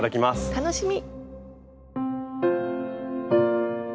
楽しみ！